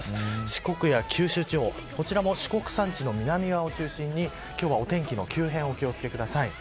四国や九州地方こちらも四国山地の南側を中心に今日は、お天気の急変にお気を付けください。